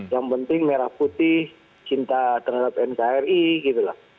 yang penting merah putih cinta terhadap nkri gitu lah